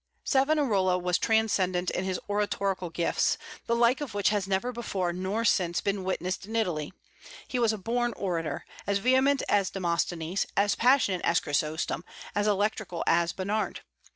Savonarola was transcendent in his oratorical gifts, the like of which has never before nor since been witnessed in Italy. He was a born orator; as vehement as Demosthenes, as passionate as Chrysostom, as electrical as Bernard.